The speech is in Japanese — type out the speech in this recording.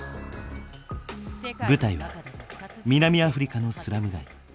舞台は南アフリカのスラム街。